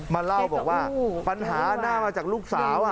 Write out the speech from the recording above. มาเล่าบอกว่าปัญหาน่ามาจากลูกสาว